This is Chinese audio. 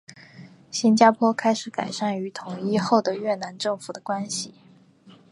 新加坡开始改善与统一后的越南政府的关系。